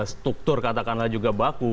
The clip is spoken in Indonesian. struktur katakanlah juga baku